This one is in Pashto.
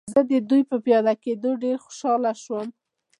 زه د دوی په پیاده کېدو ډېر خوشحاله شوم.